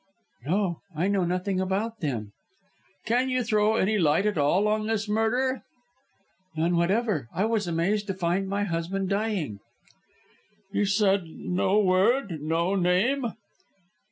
"No. I know nothing about them." "Can you throw any light at all on this murder?" "None whatever. I was amazed to find my husband dying." "He said no word no name?"